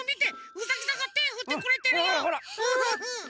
ウサギさんがてふってくれてるよ！